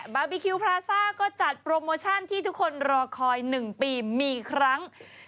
บาร์บีคิวพราซ่าก็จัดโปรโมชั่นที่ทุกคนรอคอย๑ปีมีครั้ง